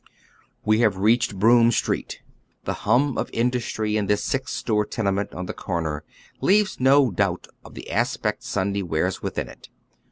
We liave reached Broome Street. The hum of industry in this six story tenement on tbe eoraer leaves no doubt of the aspect Sunday wears within it.